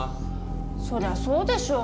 そりゃそうでしょ。